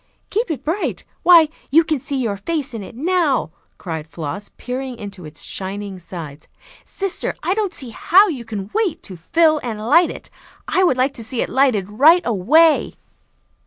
"Keep it bright! Why, you can see your face in it now," cried Floss, peering into its shining sides. "Sister, I don't see how you can wait to 'fill and light it.' I would like to see it lighted right away."